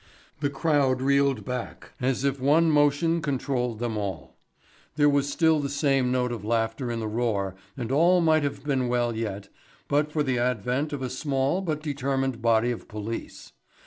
The crowd reeled back as if one motion controlled them all. There was still the same note of laughter in the roar and all might have been well yet, but for the advent of a small, but determined body of police.